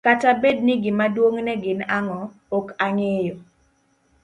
kata bed ni gimaduong' ne gin ang'o, ok ang'eyo.